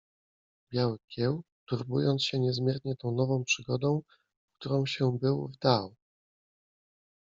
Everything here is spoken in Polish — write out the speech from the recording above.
Biały Kieł, turbując się niezmiernie tą nową przygodą, w którą się był wdał.